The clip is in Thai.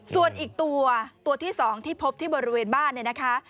ส่วนอีกตัวตัวที่๒ที่พบที่บริเวณบ้านเนี่ยนะคะ